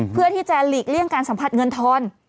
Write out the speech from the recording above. เพื่อที่จะหลีกเลี่ยงการสัมผัสเงินทอน